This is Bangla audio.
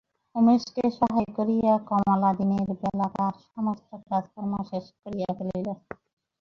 উমেশকে সহায় করিয়া কমলা দিনের বেলাকার সমস্ত কাজকর্ম শেষ করিয়া ফেলিল।